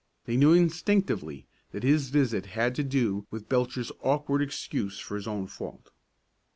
They knew instinctively that his visit had to do with Belcher's awkward excuse for his own fault.